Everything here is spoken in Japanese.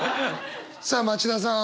さあ町田さん